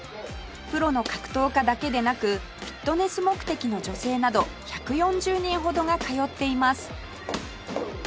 プロの格闘家だけでなくフィットネス目的の女性など１４０人ほどが通っています